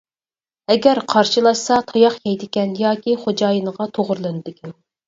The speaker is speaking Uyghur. ئەگەر قارشىلاشسا تاياق يەيدىكەن ياكى خوجايىنىغا توغرىلىنىدىكەن.